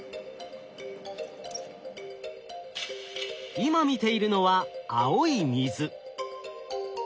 今見ているのは青い水。